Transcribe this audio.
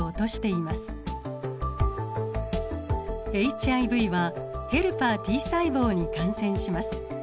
ＨＩＶはヘルパーＴ細胞に感染します。